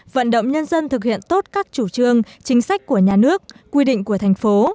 vận động nhân dân thực hiện tốt các chủ trương chính sách của nhà nước quy định của thành phố